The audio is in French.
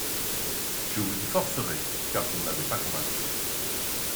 Je vous y forcerai, car vous ne m'avez pas convaincu.